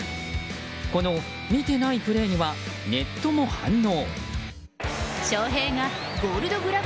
この見てないプレーにはネットも反応。